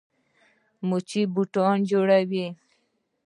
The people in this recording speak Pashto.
موچي بوټان جوړوي.